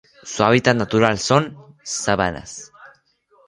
Su hábitat natural son: sabanas.